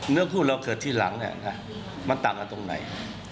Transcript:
เนื้อพูดเราเกิดทีหลังมันต่างกันตรงไหน